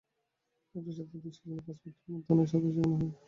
একটি সাঁতারের দৃশ্যের জন্য পাঁচ মিনিটের মধ্যে আমাকে সাঁতার শেখানো হয়।